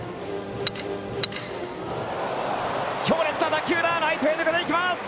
強烈な打球がライトへ抜けていきます。